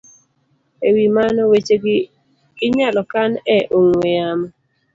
E wi mano, wechegi inyalo kan e ong'we yamo